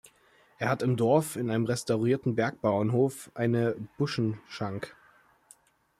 Er hat im Dorf in einem restaurierten Bergbauernhof eine Buschenschank.